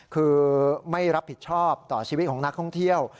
คือไม่รับผิดชอบต่อชีวิตของนักท่องเที่ยว